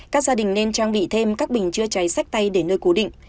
các gia đình nên trang bị thêm các bình chữa cháy sách tay để nơi cố định